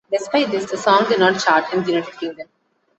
Despite this, the song did not chart in the United Kingdom.